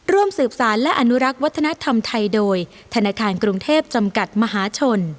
ร่วมสืบสารและอนุรักษ์วัฒนธรรมไทยโดยธนาคารกรุงเทพจำกัดมหาชน